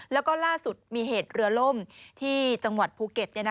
แล้วก็ล่าสุดมีเหตุเรือล่มที่จังหวัดภูเก็ต